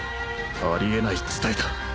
あり得ない事態だ